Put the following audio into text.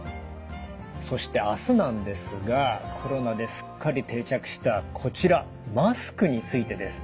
そして明日なんですがコロナですっかり定着したこちらマスクについてです。